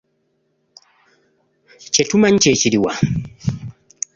Kye tumanyi kye kiri wa?